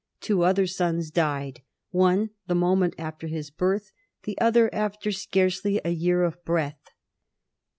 Two other sons died, one the momeiH after his birth, the other after scarcely a year of breath.